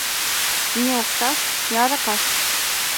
Ни оксашт, ни аракашт...